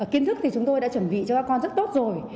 kiến thức thì chúng tôi đã chuẩn bị cho các con rất tốt rồi